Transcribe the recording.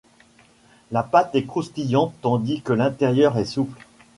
La pâte est croustillante tandis que l'intérieur est souple.